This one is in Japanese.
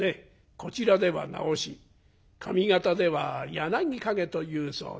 こちらでは『なおし』上方では『柳陰』と言うそうだ」。